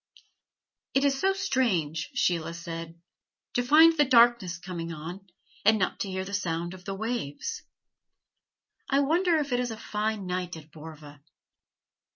"It is so strange," Sheila said, "to find the darkness coming on, and not to hear the sound of the waves. I wonder if it is a fine night at Borva."